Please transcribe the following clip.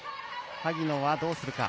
萩野はどうするか。